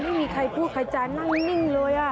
ไม่มีใครพูดใครจานั่งนิ่งเลย